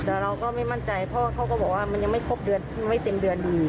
แต่เราก็ไม่มั่นใจเพราะว่าเขาก็บอกว่ามันยังไม่เต็มเดือนดี